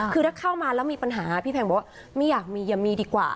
คือถ้าเข้ามาแล้วมีปัญหาพี่แพงบอกว่าไม่อยากมีอย่ามีดีกว่า